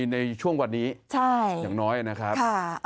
ในช่วงวันนี้อย่างน้อยนะครับ